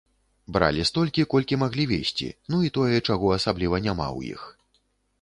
Бралі столькі, колькі маглі везці, ну і тое, чаго асабліва няма ў іх.